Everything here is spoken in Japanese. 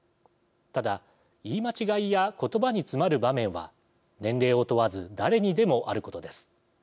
ただ、言い間違いや言葉に詰まる場面は年齢を問わず誰にでもあることです。